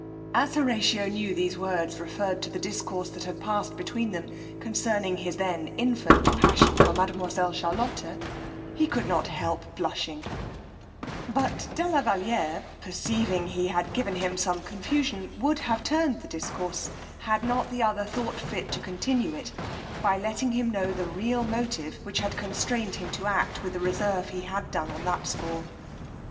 As Horatio knew these words referred to the discourse that had passed between them concerning his then infant passion for mademoiselle Charlotta, he could not help blushing; but de la Valiere perceiving he had given him some confusion, would have turned the discourse, had not the other thought fit to continue it, by letting him know the real motive which had constrained him to act with the reserve he had done on that score.